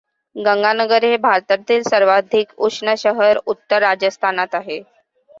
गंगानगर हे भारतातील सर्वाधिक उष्ण शहर उत्तर राजस्थानात आहे.